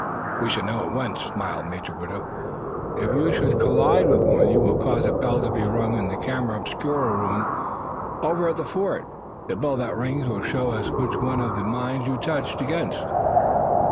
"We shall know at once," smiled Major Woodruff. "If you should collide with one, you will cause, a bell to be rung in the camera obscura room over at the fort. The bell that rings will show us which one of the mines you touched against."